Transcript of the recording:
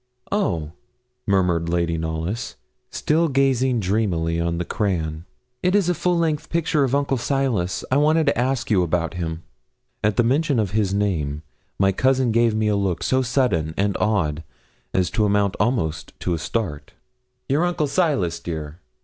'Oh!' murmured Lady Knollys, still gazing dreamily on the crayon. 'It is the full length picture of Uncle Silas I want to ask you about him.' At mention of his name, my cousin gave me a look so sudden and odd as to amount almost to a start. 'Your uncle Silas, dear?